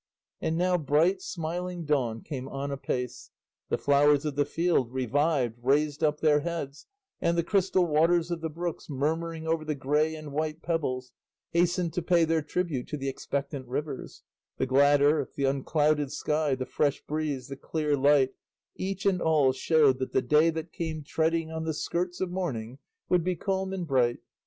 And now bright smiling dawn came on apace; the flowers of the field, revived, raised up their heads, and the crystal waters of the brooks, murmuring over the grey and white pebbles, hastened to pay their tribute to the expectant rivers; the glad earth, the unclouded sky, the fresh breeze, the clear light, each and all showed that the day that came treading on the skirts of morning would be calm and bright.